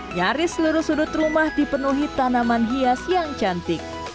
nyaris seluruh sudut rumah dipenuhi tanaman hias yang cantik